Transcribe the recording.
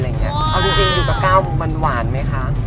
เอาจริงอยู่กับก้าวมันหวานไหมคะ